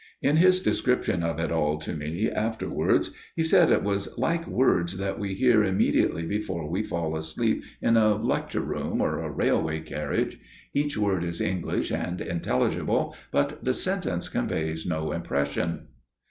In his description of it all to me afterwards, he said it was like words that we hear immediately before we fall asleep in a lecture room or a railway carriage: each word is English and intelligible, but the sentence conveys no impression.